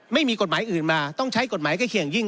ไม่มีกฎหมายอื่นมาต้องใช้กฎหมายใกล้เคียงยิ่ง